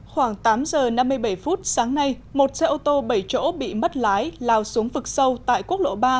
khoảng tám giờ năm mươi bảy phút sáng nay một xe ô tô bảy chỗ bị mất lái lao xuống vực sâu tại quốc lộ ba